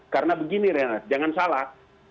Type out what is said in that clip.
karena begini renat jangan salah